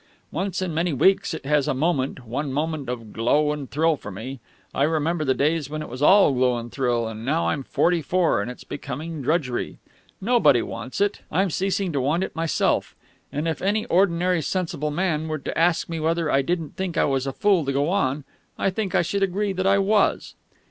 Once in many weeks it has a moment, one moment, of glow and thrill for me; I remember the days when it was all glow and thrill; and now I'm forty four, and it's becoming drudgery. Nobody wants it; I'm ceasing to want it myself; and if any ordinary sensible man were to ask me whether I didn't think I was a fool to go on, I think I should agree that I was."